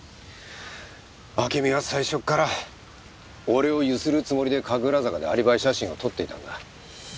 暁美は最初から俺をゆするつもりで神楽坂でアリバイ写真を撮っていたんだ。